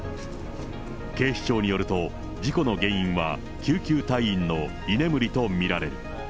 警視庁によると、事故の原因は救急隊員の居眠りと見られる。